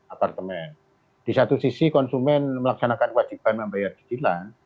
apalagi di sisi konsumen melaksanakan wajiban membayar kejilan